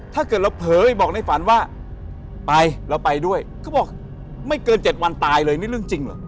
ถ้าเกิดเราเผยบอกในฝันว่าไปเราไปด้วยเขาบอกไม่เกิน๗วันตายเลยนี่เรื่องจริงเหรอ